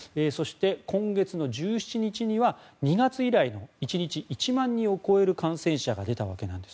今月の１７にちには２月以来の１日１万人を超える感染者が出たわけです。